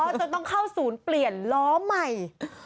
จนต้องเข้าศูนย์เปลี่ยนล้อใหม่